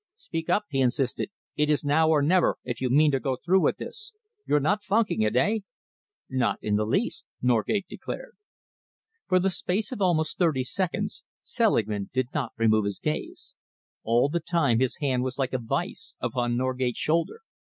"Speak up," he insisted. "It is now or never, if you mean to go through with this. You're not funking it, eh?" "Not in the least," Norgate declared. For the space of almost thirty seconds Selingman did not remove his gaze. All the time his hand was like a vice upon Norgate's shoulder.